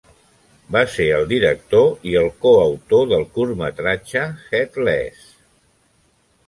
Va ser el director i el coautor del curtmetratge "Headless!".